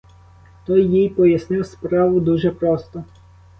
Той їй пояснив справу дуже просто.